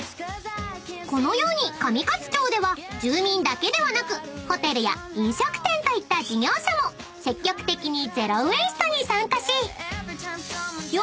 ［このように上勝町では住民だけではなくホテルや飲食店といった事業者も積極的にゼロ・ウェイストに参加し］